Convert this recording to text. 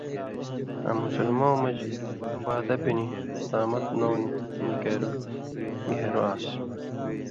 آں مسلمؤں مژ عُبادہ بن صامت نؤں نِکَیلوۡ گھېن٘رو آن٘س۔